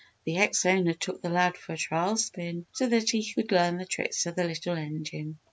The ex owner took the lad for a trial spin so that he could learn the tricks of the little engine.